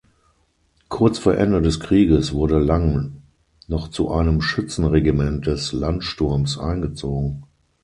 Kurz vor Ende des Krieges wurde Lang noch zu einem Schützenregiment des Landsturms eingezogen.